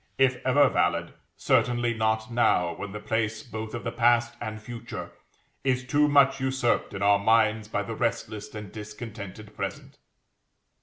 If ever valid, certainly not now when the place both of the past and future is too much usurped in our minds by the restless and discontented present.